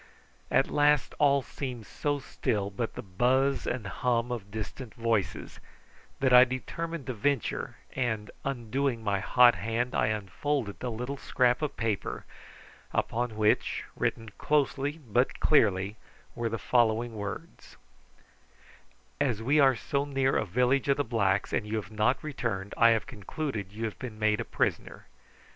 At last all seemed so still but the buzz and hum of distant voices that I determined to venture, and undoing my hot hand I unfolded the little scrap of paper, upon which, written closely but clearly, were the following words "_As we are so near a village of the blacks, and you have not returned, I have concluded that you have been made a prisoner.